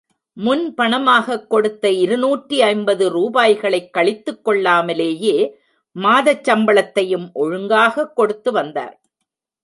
முன் பணமாகக் கொடுத்த இருநூற்று ஐம்பது ரூபாய்களைக் கழித்துக் கொள்ளாமலேயே மாதச் சம்பளத்தையும் ஒழுங்காகக் கொடுத்து வந்தார்.